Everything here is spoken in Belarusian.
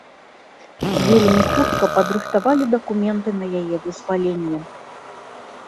Вельмі хутка падрыхтавалі дакументы на яе вызваленне.